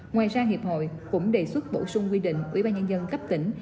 ngoài ra hiệp hội cũng đề xuất bổ sung quy định của ủy ban nhân dân cấp tỉnh